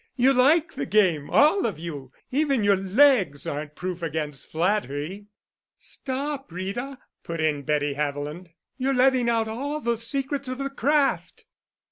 You like the game—all of you. Even your legs aren't proof against flattery." "Stop, Rita," put in Betty Haviland. "You're letting out all the secrets of the craft."